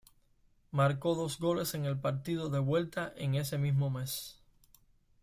Marcó dos goles en el partido de vuelta en ese mismo mes.